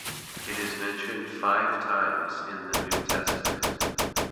It is mentioned five times in the New Testament.